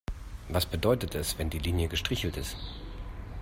Was bedeutet es, wenn die Linie gestrichelt ist?